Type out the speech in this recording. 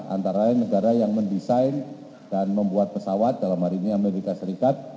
antara lain negara yang mendesain dan membuat pesawat dalam hari ini amerika serikat